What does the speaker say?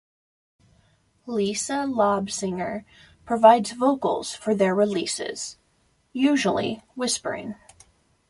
Lisa Lobsinger provides vocals for their releases, usually whispering.